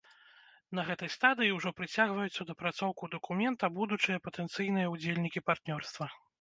На гэтай стадыі ўжо прыцягваюцца ў дапрацоўку дакумента будучыя патэнцыйныя ўдзельнікі партнёрства.